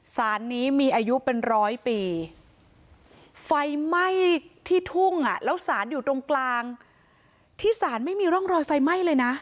สารนี้มีอายุเป็นร้อยปีไฟไหม้ที่ทุ่งอ่ะแล้วสารอยู่ตรงกลางที่ศาลไม่มีร่องรอยไฟไหม้เลยนะ